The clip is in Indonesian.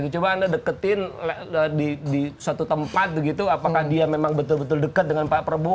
coba anda deketin di suatu tempat begitu apakah dia memang betul betul dekat dengan pak prabowo